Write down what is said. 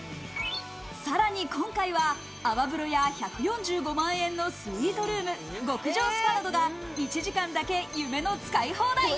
さらに今回は泡風呂や１４５万円のスイートルーム、極上スパなどが１時間だけ夢の使い放題。